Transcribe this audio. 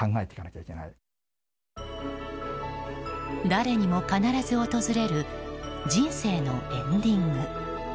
誰にも必ず訪れる人生のエンディング。